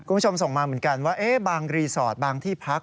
คุณผู้ชมส่งมาเหมือนกันว่าบางรีสอร์ทบางที่พัก